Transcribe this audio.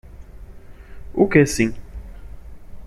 O que sim?